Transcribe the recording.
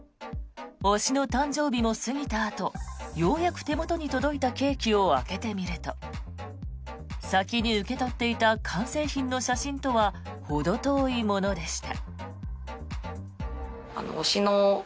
推しの誕生日も過ぎたあとようやく手元に届いたケーキを開けてみると先に受け取っていた完成品の写真とは程遠いものでした。